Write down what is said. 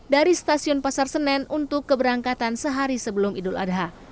dari stasiun pasar senen untuk keberangkatan sehari sebelum idul adha